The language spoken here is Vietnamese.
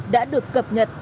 đã được cập nhật